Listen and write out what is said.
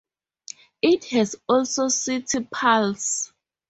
It has also City Pulse.